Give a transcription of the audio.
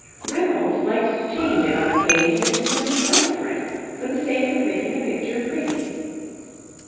Reynolds liked to change it on occasion into something quite different, for the sake of making a picture pretty.